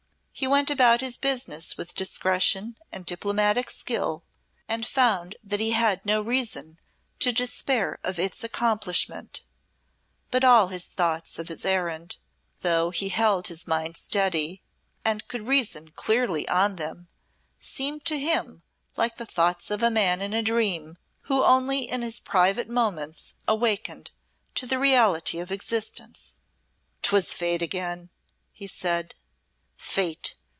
He went about his business with discretion and diplomatic skill and found that he had no reason to despair of its accomplishment, but all his thoughts of his errand, though he held his mind steady and could reason clearly on them, seemed to him like the thoughts of a man in a dream who only in his private moments awakened to the reality of existence. "'Twas Fate again," he said, "Fate!